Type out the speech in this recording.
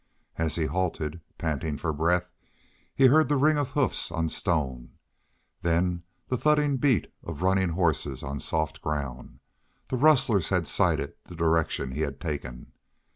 As he halted, panting for breath, he heard the ring of hoofs on stone, then the thudding beat of running horses on soft ground. The rustlers had sighted the direction he had taken.